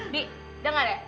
dik denger ya